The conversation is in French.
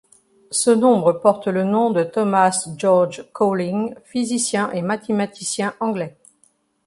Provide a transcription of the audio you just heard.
Ce nombre porte le nom de Thomas George Cowling, physicien et mathématicien anglais.